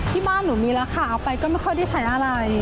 ที่บ้านหนูมีราคาเอาไปก็ไม่ค่อยได้ใช้อะไร